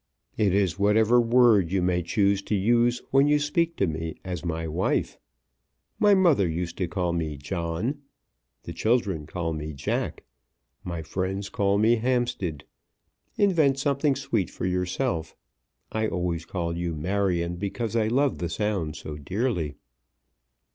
"It is whatever word you may choose to use when you speak to me as my wife. My mother used to call me John; the children call me Jack; my friends call me Hampstead. Invent something sweet for yourself. I always call you Marion because I love the sound so dearly."